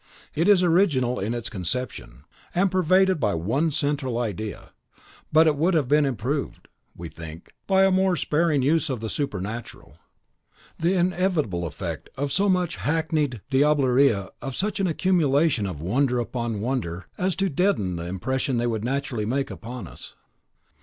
It is original in its conception, and pervaded by one central idea; but it would have been improved, we think, by a more sparing use of the supernatural. The inevitable effect of so much hackneyed diablerie of such an accumulation of wonder upon wonder is to deaden the impression they would naturally make upon us.